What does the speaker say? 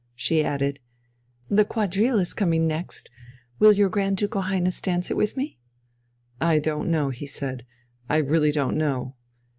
She added: "The quadrille is coming next. Will your Grand Ducal Highness dance it with me?" "I don't know ..." he said. "I really don't know